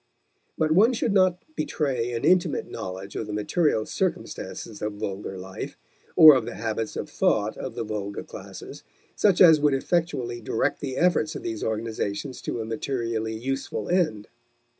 But one should not betray an intimate knowledge of the material circumstances of vulgar life, or of the habits of thought of the vulgar classes, such as would effectually direct the efforts of these organizations to a materially useful end.